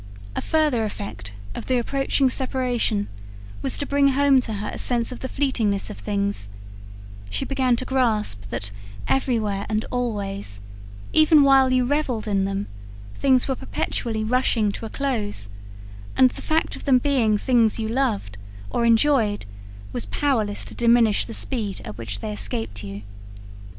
A further effect of the approaching separation was to bring home to her a sense of the fleetingness of things; she began to grasp that, everywhere and always, even while you revelled in them, things were perpetually rushing to a close; and the fact of them being things you loved, or enjoyed, was powerless to diminish the speed at which they escaped you.